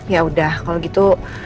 yaudah kalau gitu